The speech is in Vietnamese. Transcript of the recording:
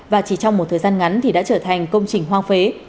và chỉ trong một thời gian ngắn thì đã trở thành công trình hoang phế